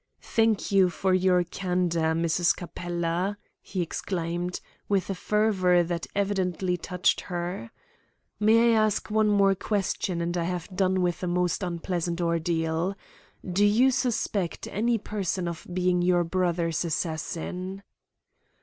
"Thank you for your candour, Mrs. Capella," he exclaimed, with a fervour that evidently touched her. "May I ask one more question, and I have done with a most unpleasant ordeal. Do you suspect any person of being your brother's assassin?"